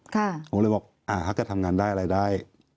เขาเลยบอกอ่าถ้าเขาก็ทำงานได้อะไรได้